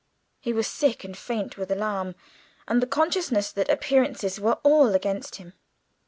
He was sick and faint with alarm, and the consciousness that appearances were all against him.